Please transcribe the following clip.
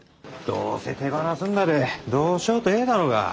どうせ手放すんだでどうしようとええだろが。